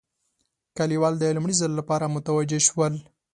کلیوال د لومړي ځل لپاره متوجه شول.